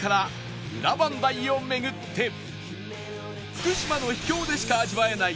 福島の秘境でしか味わえない